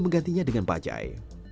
menggantinya dengan bajai